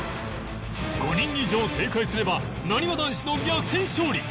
５人以上正解すればなにわ男子の逆転勝利